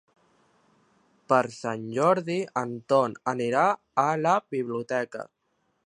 Per Sant Jordi en Ton anirà a la biblioteca.